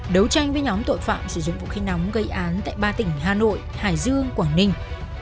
đấu tranh với nhóm tội phạm sử dụng vũ khí nóng gây án tại ba tỉnh hà nội hải dương quảng ninh